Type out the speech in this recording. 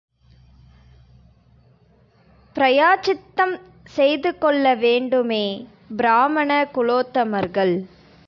பிராயச்சித்தம் செய்து கொள்ள வேண்டுமே பிராமண குலோத்தமர்கள்!